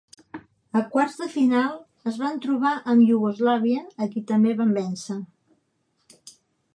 A quarts de final es van trobar amb Iugoslàvia, a qui també van vèncer.